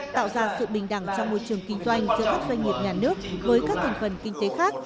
tạo ra sự bình đẳng trong môi trường kinh doanh giữa các doanh nghiệp nhà nước với các thành phần kinh tế khác